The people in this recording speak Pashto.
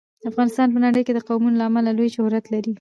افغانستان په نړۍ کې د قومونه له امله لوی شهرت لري.